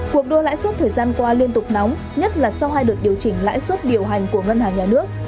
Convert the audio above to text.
cuộc đua lãi suất thời gian qua liên tục nóng nhất là sau hai đợt điều chỉnh lãi suất điều hành của ngân hàng nhà nước